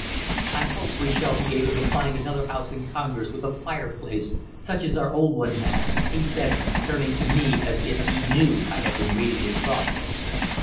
"I hope we shall be able to find another house in Congers with a fireplace such as our old one had," he said, turning to me as if he knew I had been reading his thoughts.